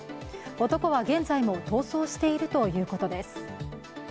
男は現在も逃走しているということです。